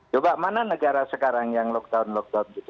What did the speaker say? coba mana negara sekarang yang lockdown lockdown gitu